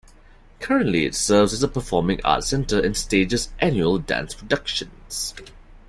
Currently it serves as a performing arts center and stages annual dance productions.